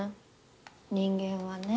人間はね